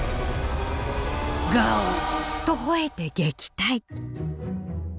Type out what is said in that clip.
ガオッとほえて撃退。